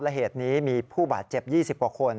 และเหตุนี้มีผู้บาดเจ็บ๒๐กว่าคน